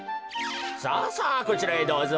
さあさあこちらへどうぞ。